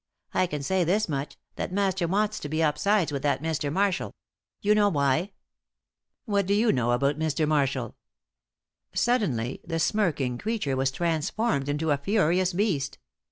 I can say this much, that master wants to be upsides with that Mr. Marshall you know why." "What do you know about Mr. Marshall?" Suddenly the smirking creature was transformed into a furious beast.